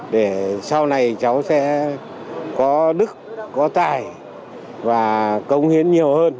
để sau này cháu sẽ có đức có tài và cống hiến nhiều hơn